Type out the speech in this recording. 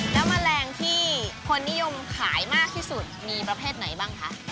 แล้วแมลงที่คนนิยมขายมากที่สุดมีประเภทไหนบ้างคะ